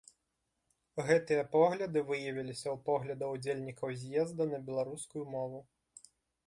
Гэтыя погляды выявіліся ў поглядах удзельнікаў з'езда на беларускую мову.